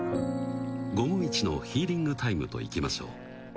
午後一のヒーリングタイムといきましょう。